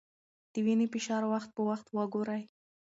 د وینې فشار وخت په وخت وګورئ.